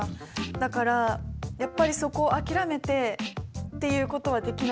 だからやっぱりそこを諦めてっていうことはできない。